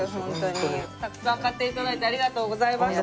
たくさん買っていただいてありがとうございました。